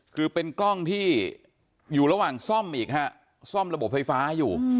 คือเป็นกล้องที่อยู่ระหว่างซ่อมอีกฮะซ่อมระบบไฟฟ้าอยู่